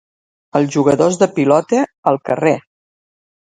Els jugadors de pilota... al carrer.